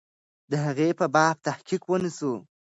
د هغې په باب تحقیق ونسو.